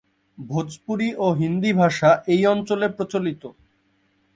ভোজপুরি ও হিন্দি ভাষা এই অঞ্চলে প্রচলিত।